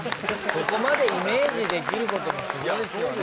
そこまでイメージできることもすごいですよね。